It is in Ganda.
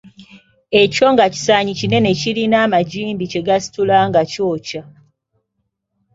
Ekyonga kisaanyi kinene kirina amagimbi kye gasitula nga kyokya.